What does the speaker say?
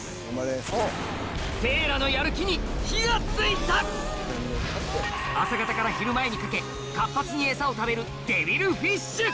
せいらの朝方から昼前にかけ活発に餌を食べるデビルフィッシュ！